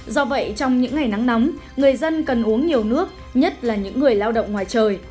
do vậy trong những ngày nắng nóng người dân cần uống nhiều nước nhất là những người lao động ngoài trời